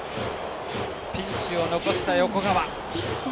ピンチを残した横川。